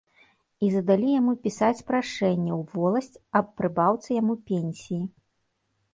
І задалі яму пісаць прашэнне ў воласць аб прыбаўцы яму пенсіі.